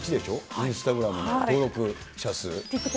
インスタグラムの登録者数。